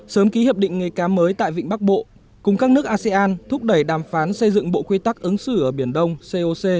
sớm ký hiệp định nghề cá mới tại vịnh bắc bộ cùng các nước asean thúc đẩy đàm phán xây dựng bộ quy tắc ứng xử ở biển đông coc